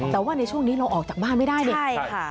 แต่ว่าในช่วงนี้เราออกจากบ้านไม่ได้ดิ